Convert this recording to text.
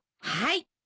はい。